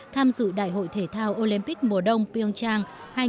tham dự đại hội thể thao olympic mùa đông pyeongchang hai nghìn một mươi tám